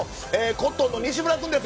コットンの西村君です。